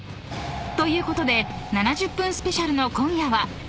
［ということで７０分スペシャルの］